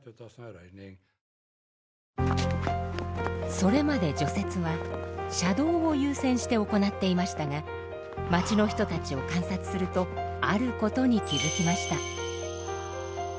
それまで除雪は車道を優先して行っていましたが町の人たちを観察するとあることに気づきました。